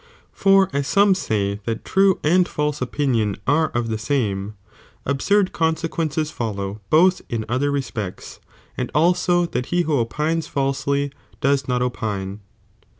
For as some say tbU true and false opinion arc of the same ; absurd conaeqaencei follow both in other respects, and also Uiat he itLr'ii*s''' ''' "ho opines falsely does not opine.